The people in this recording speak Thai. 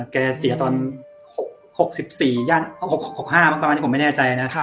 แกเสียตอน๖๔๖๕ประมาณนี้ผมไม่แน่ใจนะ